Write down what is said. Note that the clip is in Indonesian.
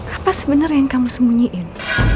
apa sebenarnya yang kamu sembunyiin